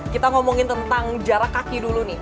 kita ngomongin tentang jarak kaki dulu nih